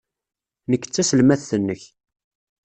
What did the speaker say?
Nekk d taselmadt-nnek.